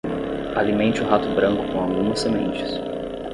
Alimente o rato branco com algumas sementes.